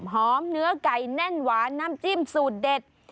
เนื้อไก่แน่นหวานน้ำจิ้มสูตรเด็ด